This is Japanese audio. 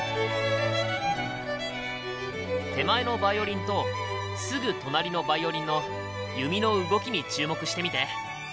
手前のヴァイオリンとすぐ隣のヴァイオリンの弓の動きに注目してみて！